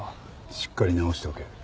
しっかり治しておけ。